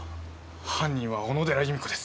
犯人は小野寺由美子です。